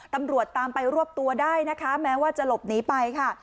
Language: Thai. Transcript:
ตำรวจตามไปรวบตัวได้นะคะแม้ว่าจะหลบหนีไปค่ะ